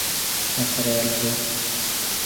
¿Ajaréala rú?